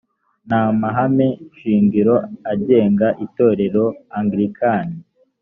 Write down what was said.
n amahame shingiro agenga itorero anglikani